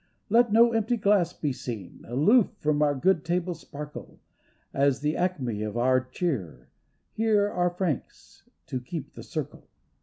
Let no empty glass be seen Aloof from our good table's sparkle, At the acme of our cheer Here are francs to keep the circle.